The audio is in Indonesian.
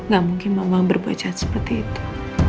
gak mungkin mama berbuat jahat seperti itu